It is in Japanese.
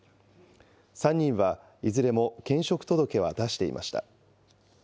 ３人は、いずれも兼職届は出していました。